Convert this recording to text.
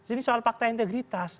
ini soal fakta integritas